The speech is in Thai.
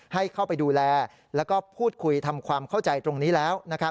ให้เข้าไปดูแลแล้วก็พูดคุยทำความเข้าใจตรงนี้แล้ว